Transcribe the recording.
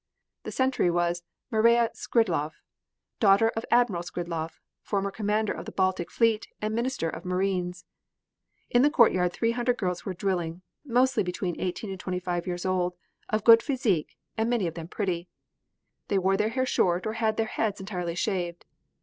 The sentry was Mareya Skridlov, daughter of Admiral Skridlov, former commander of the Baltic fleet and Minister of Marines. In the courtyard three hundred girls were drilling, mostly between 18 and 25 years old, of good physique and many of them pretty. They wore their hair short or had their heads entirely shaved.